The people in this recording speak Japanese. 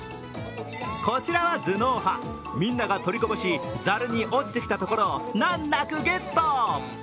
こちらは頭脳派、みんなが取りこぼし、ざるに落ちてきたところを難なくゲット。